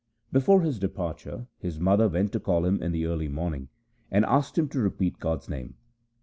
Before his departure his mother went to call him in the early morning, and asked him to repeat God's name.